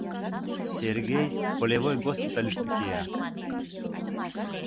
Сергей полевой госпитальыште кия.